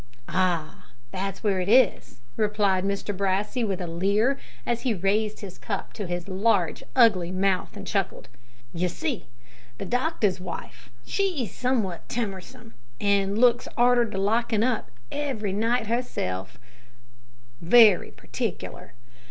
"Ah, that's where it is," replied Mr Brassey, with a leer, as he raised his cup to his large ugly mouth and chuckled. "You see, the doctor's wife she's summat timmersome, an' looks arter the lockin' up every night herself wery partikler.